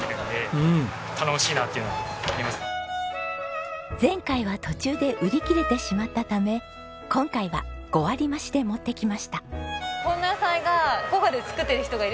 本当に前回は途中で売り切れてしまったため今回は５割増しで持ってきました。